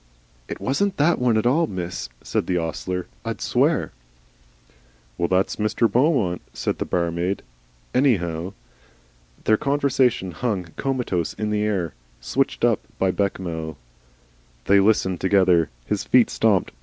"It wasn't that one at all, miss," said the ostler, "I'd SWEAR" "Well, that's Mr. Beaumont," said the barmaid, " anyhow." Their conversation hung comatose in the air, switched up by Bechamel. They listened together. His feet stopped.